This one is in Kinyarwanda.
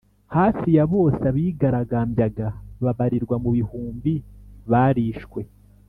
hafi ya bose Abigaragambyaga babarirwa mu bihumbi barishwe